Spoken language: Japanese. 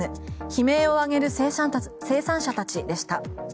悲鳴を上げる生産者たちでした。